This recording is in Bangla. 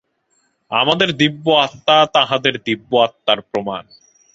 আমাদের দিব্য-আত্মা তাঁহাদের দিব্য-আত্মার প্রমাণ।